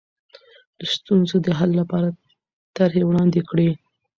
د ستونزو د حل لپاره طرحې وړاندې کړئ.